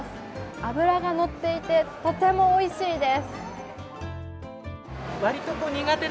脂が乗っていて、とてもおいしいです。